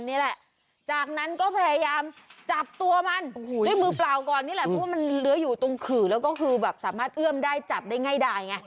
นี่แหละเพราะมันเหลืออยู่ตรงขื่อแล้วก็คือแบบสามารถเอื้อมได้จับได้ง่ายไง